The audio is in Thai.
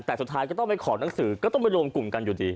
แต่สุดท้ายก็ต้องไปขอหนังสือก็ต้องไปรวมกลุ่มกันอยู่ดี